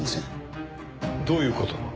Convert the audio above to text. どういう事だ？